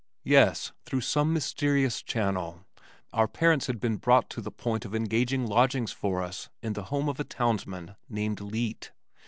Yes, through some mysterious channel our parents had been brought to the point of engaging lodgings for us in the home of a townsman named Leete.